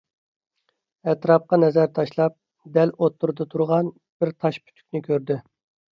ئەتراپقا نەزەر تاشلاپ، دەل ئوتتۇرىدا تۇرغان بىر تاش پۈتۈكنى كۆردى.